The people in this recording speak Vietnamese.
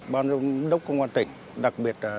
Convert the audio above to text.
bọn đốc công an tỉnh đặc biệt